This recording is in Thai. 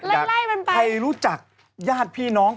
อันนี้ใครรู้จักญาติพี่น้อง